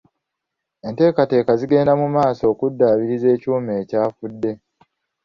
Enteekateeka zigenda mu maaso okuddaabiriza ekyuma ekyafudde.